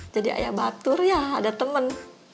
jadi ayah batur ya ada temen